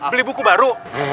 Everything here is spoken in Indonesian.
beli buku baru